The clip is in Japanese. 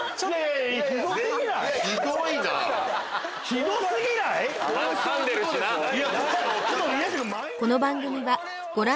ひど過ぎない？